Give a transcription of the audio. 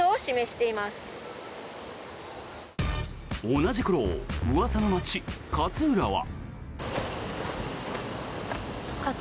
同じ頃うわさの街、勝浦は。